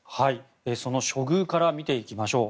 その処遇から見ていきましょう。